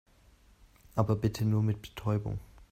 Aber bitte nur mit Betäubung.